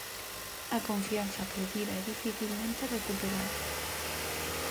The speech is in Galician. A confianza perdida é dificilmente recuperábel.